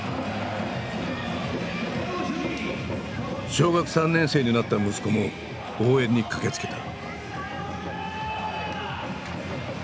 小学３年生になった息子も応援に駆けつけた。